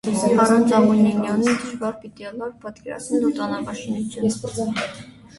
Առանց աղոնինիոնի դժուար պիտի ըլլար պատկերացնել օդանաւաշինութիւնը։